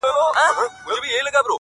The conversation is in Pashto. o زه به د خال او خط خبري كوم؛